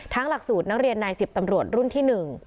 หลักสูตรนักเรียนนาย๑๐ตำรวจรุ่นที่๑